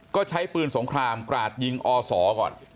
ก็ใช้ปืนสงครามกราดยิงอศก่อน